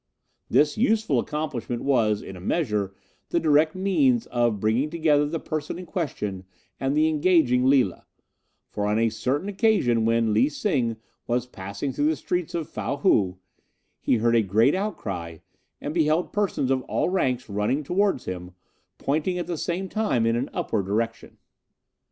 This useful accomplishment was, in a measure, the direct means of bringing together the person in question and the engaging Lila; for, on a certain occasion, when Lee Sing was passing through the streets of Fow Hou, he heard a great outcry, and beheld persons of all ranks running towards him, pointing at the same time in an upward direction.